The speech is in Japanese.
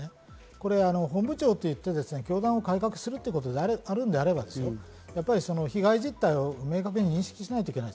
これ、本部長といって教団を改革するということであるのであれば、被害実態を明確に認識しないといけない。